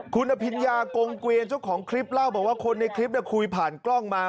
คุณอพิญญากงเกวร์นเชาะของคลิปเล่าของคนในคลิปนี่คุยผ่านกล้องมา